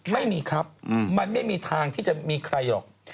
ไม่มีครับมันไม่มีทางที่จะมีใครหรอก